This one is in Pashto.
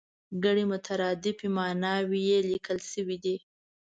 ګڼې مترادفې ماناوې یې لیکل شوې دي.